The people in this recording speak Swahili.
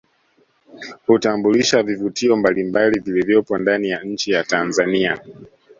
Hutambulisha vivutio mbalimbali vilivyopo ndani ya nchi ya Tanzania